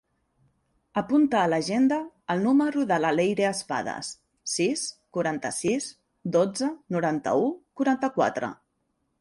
Apunta a l'agenda el número de la Leire Espadas: sis, quaranta-sis, dotze, noranta-u, quaranta-quatre.